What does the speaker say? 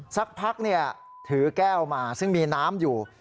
สักพักถือแก้วมาซึ่งมีน้ำอยู่